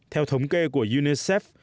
theo thống kê của unicef